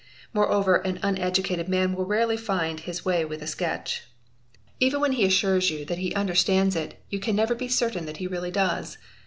Moreover an uneducated man will rarely find his way ith a sketch. Even when he assures you that he understands it, you . an never be certain that he really does.